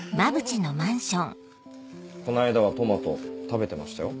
この間はトマト食べてましたよ。